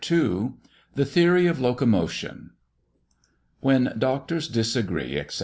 The Theory of Locomotion. WHEN DOCTORS DISAGREE, ETC.